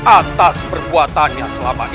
atas perbuatannya selama ini